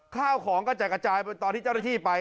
ข้าวของก็จะกระจายไปตอนที่เจ้าหน้าที่ไป